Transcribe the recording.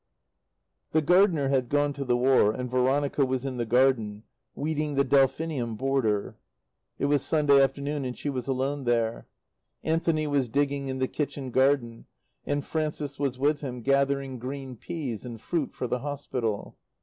The gardener had gone to the War, and Veronica was in the garden, weeding the delphinium border. It was Sunday afternoon and she was alone there. Anthony was digging in the kitchen garden, and Frances was with him, gathering green peas and fruit for the hospital.